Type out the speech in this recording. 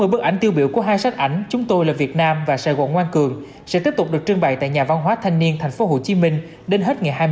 một trăm sáu mươi bức ảnh tiêu biểu của hai sách ảnh chúng tôi là việt nam và sài gòn ngoan cường sẽ tiếp tục được trưng bày tại nhà văn hóa thanh niên thành phố hồ chí minh đến hết ngày hai mươi bảy tháng một mươi hai